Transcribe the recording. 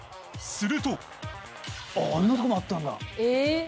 するとあんなとこもあったんだ。